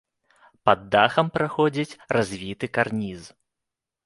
Пад дахам праходзіць развіты карніз.